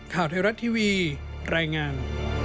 ข่าวไทยรัฐทีวีรายงาน